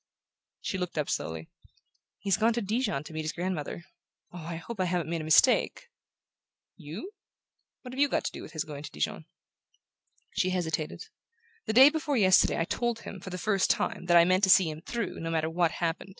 She looked up slowly. "He's gone to Dijon to meet his grandmother. Oh, I hope I haven't made a mistake!" "You? Why, what have you to do with his going to Dijon?" She hesitated. "The day before yesterday I told him, for the first time, that I meant to see him through, no matter what happened.